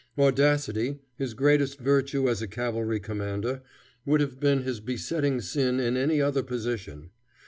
Audacity, his greatest virtue as a cavalry commander, would have been his besetting sin in any other position.